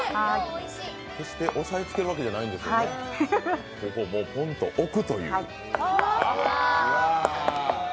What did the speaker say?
押さえつけるわけじゃないんですよね、ポンと置くという。